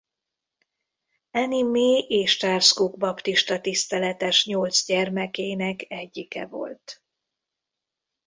Annie Mae és Charles Cook baptista tiszteletes nyolc gyermekének egyike volt.